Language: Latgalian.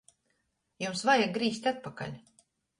Jums vajag grīzt atpakaļ!